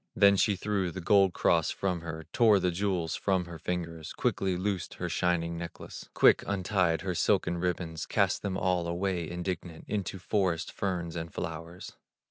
Then she threw the gold cross from her, Tore the jewels from her fingers, Quickly loosed her shining necklace, Quick untied her silken ribbons, Cast them all away indignant Into forest ferns and flowers.